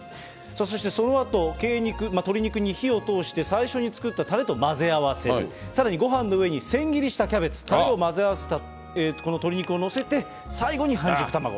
そしてそのあと、鶏肉、鶏肉に火を通して最初に作ったたれと混ぜ合わせる、さらにごはんの上に千切りしたキャベツ、たれを混ぜ合わせたこの鶏肉を載せて、最後に半熟卵。